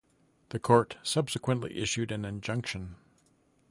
The court subsequently issued an injunction.